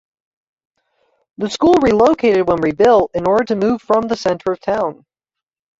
The school relocated when rebuilt in order to move from the center of town.